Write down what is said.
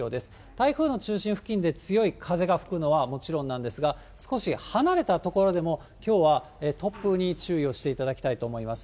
台風の中心付近で強い風が吹くのはもちろんなんですが、少し離れた所でも、きょうは突風に注意をしていただきたいと思います。